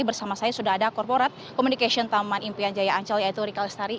bersama saya sudah ada korporat komunikasi taman impian jaya ancol yaitu rika lestari